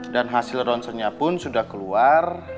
dan hasil ronsernya pun sudah keluar